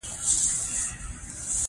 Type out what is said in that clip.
چې، زما سره قهوه وچښي